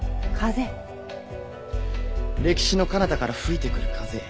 歴史の彼方から吹いてくる風。